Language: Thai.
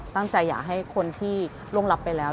ตั้งใจอยากให้คนที่ลงรับไปแล้ว